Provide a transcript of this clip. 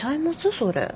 それ。